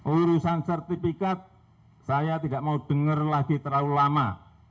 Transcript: urusan sertifikat saya tidak mau dengar lagi terlalu lama